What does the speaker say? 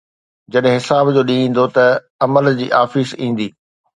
جڏهن حساب جو ڏينهن ايندو ته عمل جي آفيس ايندي